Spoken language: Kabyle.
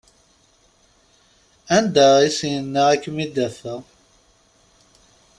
Anda i s-yenna ad kem-id-afeɣ?